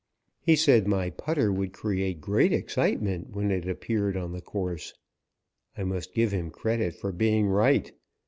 He said my putter would create great excitement when it appeared on the course. I must give him credit for being right.